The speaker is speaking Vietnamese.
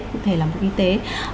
cụ thể là bộ y tế